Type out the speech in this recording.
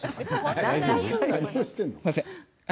すみません。